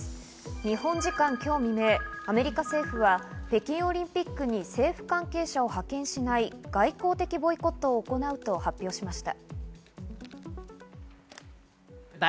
日本時間今日未明、アメリカ政府は北京オリンピックに政府関係者を派遣しない、外交的ボイコットを行うと発表しました。